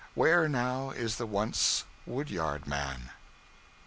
Where now is the once wood yard man?